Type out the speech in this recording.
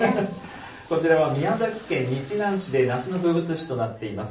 こちらは宮崎県日南市で夏の風物詩となっています